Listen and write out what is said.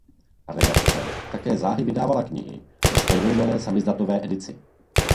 Redakce také záhy vydávala knihy ve stejnojmenné samizdatové edici.